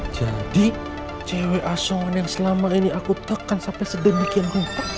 jadi cewek asongan yang selamar ini aku takkan sampai sedemikian rupa